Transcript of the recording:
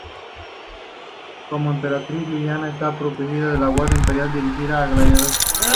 Como Emperatriz, Lilandra está protegida por la Guardia Imperial, dirigida por Gladiador.